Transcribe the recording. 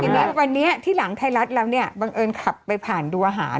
ทีนี้ที่หลังไทยรัฐบังเอิญขับไปผ่านดูอาหาร